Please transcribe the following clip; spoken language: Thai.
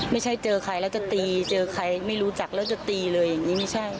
ไม่ใช่เจอใครแล้วจะตีเจอใครไม่รู้จักแล้วจะตี